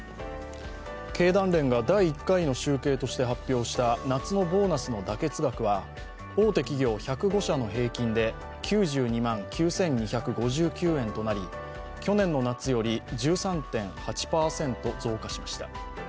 経団連が第１回の集計として発表した夏のボーナスの妥結額は大手５社の平均で９２万９２５９円となり、去年の夏より１３．８％増加しました。